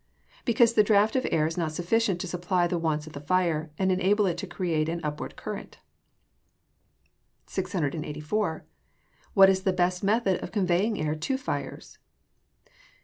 _ Because the draught of air is not sufficient to supply the wants of the fire, and enable it to create an upward current. 684. _What is the best method of conveying air to fires?